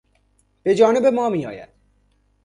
بجانب ما می آید